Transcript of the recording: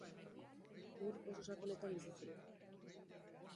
Ur oso sakonetan bizi ziren.